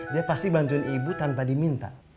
dia pasti bantuin ibu tanpa diminta